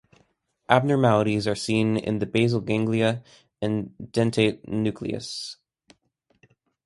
Abnormalities are seen in the basal ganglia and dentate nucleus.